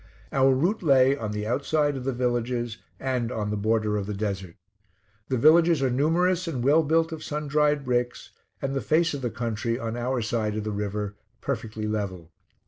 Our route lay on the outside of the villages, and on the border of the desert. The villages are numerous and well built of sun dried bricks, and the face of the country, on our side of the river, perfectly level.